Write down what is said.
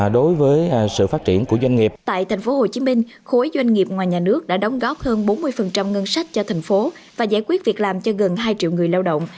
tại thành phố hồ chí minh khối doanh nghiệp ngoài nhà nước đã đóng góp hơn bốn mươi ngân sách cho thành phố và giải quyết việc làm cho gần hai triệu người lao động